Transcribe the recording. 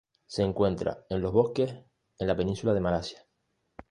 Se encuentra en los bosques en la Península de Malasia.